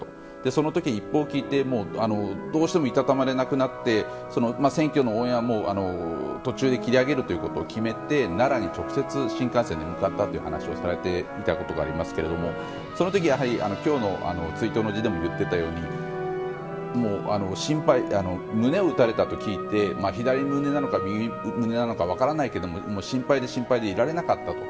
その時に一報を聞いてどうしてもいたたまれなくなって選挙の応援はもう途中で切り上げるということを決めて、奈良に直接新幹線で向かったという話をされていたことがありますがその時、今日の追悼の辞でも言っていたように胸を撃たれたと聞いて左胸なのか、右胸なのか分からないけれども心配で心配でいられなかったと。